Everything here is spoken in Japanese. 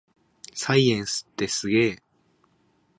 サイエンスってすげぇ